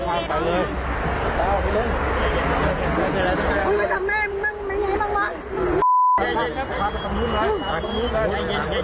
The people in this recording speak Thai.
อุ๊ยไม่ทำแม่นั่งแบบนี้ต้องว่ะ